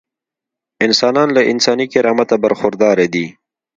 انسانان له انساني کرامته برخورداره دي.